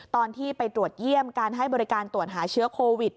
ตอนที่ไปตรวจเยี่ยมการให้บริการตรวจหาเชื้อโควิด